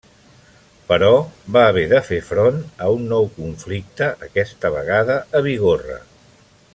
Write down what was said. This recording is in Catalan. Però va haver de fer front a un nou conflicte aquesta vegada a Bigorra.